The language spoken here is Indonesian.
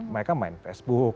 mereka main facebook